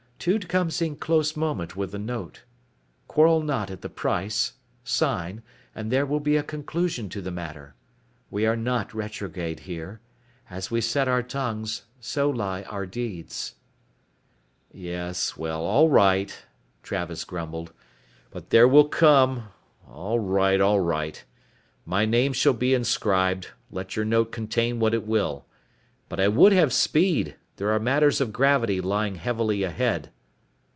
Tude comes in close moment with the note. Quarrel not at the price, sign, and there will be a conclusion to the matter. We are not retrograde here. As we set our tongues, so lie our deeds." "Yes, well, all right," Travis grumbled. "But there will come all right all right. My name shall be inscribed, let your note contain what it will. But I would have speed. There are matters of gravity lying heavily ahead."